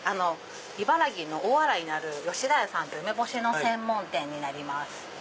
茨城の大洗にある田屋さんって梅干しの専門店になります。